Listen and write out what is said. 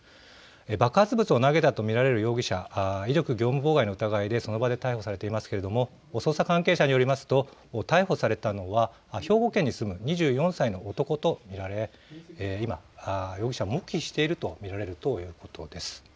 爆発物を投げたと見られる容疑者、威力業務妨害の疑いでその場で逮捕されていますけど捜査関係者によりますと逮捕されたのは兵庫県に住む２４歳の男と見られ、今、容疑者は黙秘していると見られるということです。